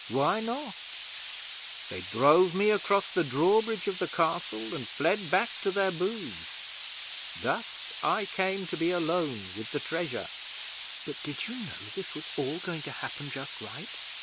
Why not? They drove me across the drawbridge of the Castle, and fled back to their booths. Thus I came to be alone with the treasure.' 'But did you know this was all going to happen just right?'